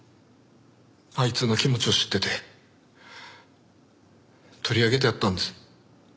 あいつの気持ちを知ってて取り上げてやったんです。